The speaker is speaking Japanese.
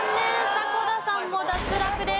迫田さんも脱落です。